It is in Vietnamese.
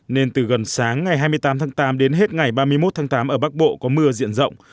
nên từ gần sáng ngày hai mươi tám tháng tám đến hết ngày ba mươi một tháng tám ở bắc bộ có mưa diện rộng